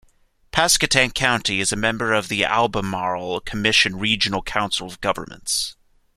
Pasquotank County is a member of the Albemarle Commission regional council of governments.